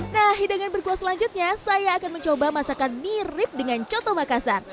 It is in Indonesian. nah hidangan berkuah selanjutnya saya akan mencoba masakan mirip dengan coto makassar